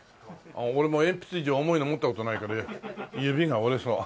俺も鉛筆以上重いの持った事ないから指が折れそう。